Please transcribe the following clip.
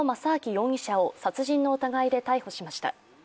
容疑者を殺人の疑いで逮捕しました。